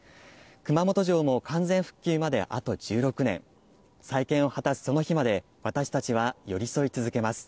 熊本城も完全復旧まであと１６年、再建を果たすその日まで、私たちは寄り添い続けます。